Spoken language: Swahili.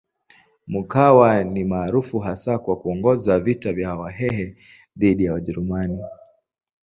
Mkwawa ni maarufu hasa kwa kuongoza vita vya Wahehe dhidi ya Wajerumani.